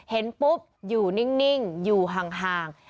เห็นปุ๊บอยู่นิ่งอยู่ห่าง